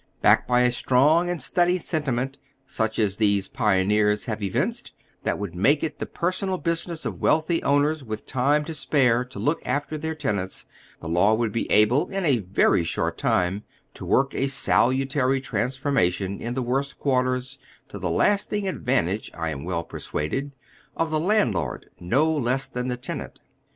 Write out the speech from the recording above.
Backed by a strong and steady sentiment, such as these pioneers have evinced, that would make it the personal business of wealthy owners with time to spare to look after their tenants, the law would be able in a very short time to work a salutary transformation in the worst quar ters, to the lasting advantage, I am well persuaded, of tlie landlord no less than the tenant.